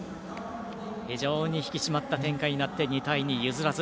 非常に引き締まった展開になって２対２で譲らず。